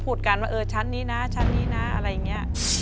พูดกันว่าเออชั้นนี้นะชั้นนี้นะอะไรอย่างนี้